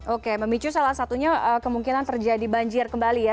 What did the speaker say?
oke memicu salah satunya kemungkinan terjadi banjir kembali ya